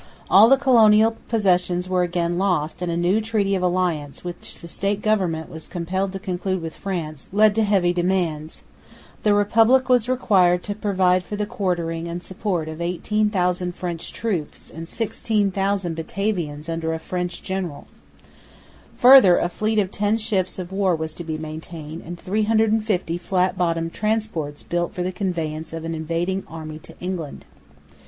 All the colonial possessions were again lost; and a new treaty of alliance, which the State Government was compelled to conclude with France, led to heavy demands. The Republic was required to provide for the quartering and support of 18,000 French troops and 16,000 Batavians under a French general. Further, a fleet of ten ships of war was to be maintained, and 350 flat bottomed transports built for the conveyance of an invading army to England.